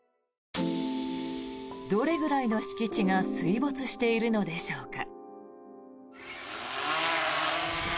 どれぐらいの敷地が水没しているのでしょうか。